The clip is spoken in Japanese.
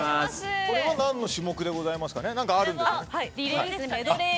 これは何の種目でございますか。